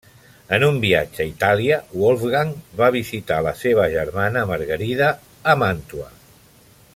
En un viatge a Itàlia, Wolfgang va visitar la seva germana Margarida a Màntua.